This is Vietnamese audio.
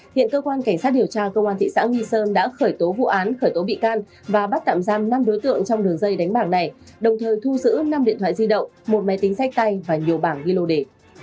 hiện cơ quan cảnh sát điều tra công an thị xã nghi sơn đã khởi tố vụ án khởi tố bị can và bắt tạm giam năm đối tượng trong đường dây đánh bạc này đồng thời thu giữ năm điện thoại di động một máy tính sách tay và nhiều bảng ghi lô đề